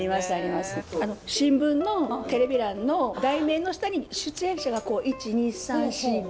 新聞のテレビ欄の題名の下に出演者がこう１２３４５。